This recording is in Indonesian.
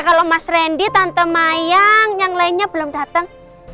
kalau mas randy tante mayang yang lainnya belum datang